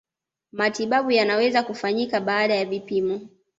matibabu yanaweza kufanyika baada ya vipimo